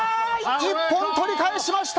１本取り返しました。